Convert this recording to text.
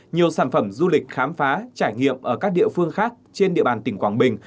nhiều sản phẩm du lịch khám phá trải nghiệm ở các địa phương khác trên địa bàn tỉnh quảng bình